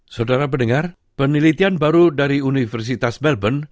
saudara pendengar penelitian baru dari universitas melbourne